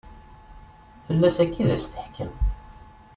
Fell-as akka i d as-teḥkem.